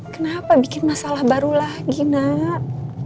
kenapa bikin masalah baru lagi nak